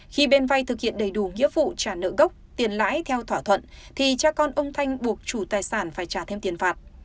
khi bên vay thực hiện đầy đủ nghĩa vụ trả nợ gốc tiền lãi theo thỏa thuận thì cha con ông thanh buộc chủ tài sản phải trả thêm tiền phạt